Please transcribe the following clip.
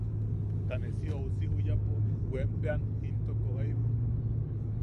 Ta ne si ousi juyapo weanpeʼean intoko jaibu.